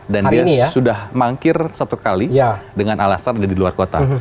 dan dia sudah mangkir satu kali dengan alasan ada di luar kota